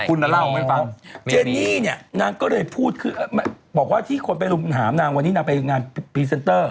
คุณเล่าให้ฟังเจนี่เนี่ยนางก็เลยพูดคือบอกว่าที่คนไปรุมหานางวันนี้นางไปงานพรีเซนเตอร์